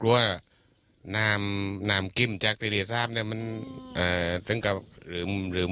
ลัวน้ำน้ำกิ้มจากทีสามเนี้ยมันอ่าถึงก็หลืมหลืม